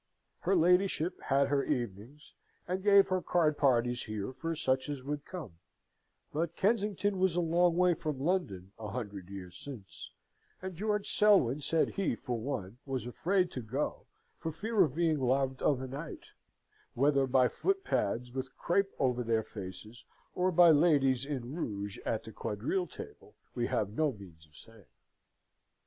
Her ladyship had her evenings, and gave her card parties here for such as would come; but Kensington was a long way from London a hundred years since, and George Selwyn said he for one was afraid to go, for fear of being robbed of a night, whether by footpads with crape over their faces, or by ladies in rouge at the quadrille table, we have no means of saying.